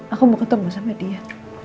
aku mau ketemu sama dia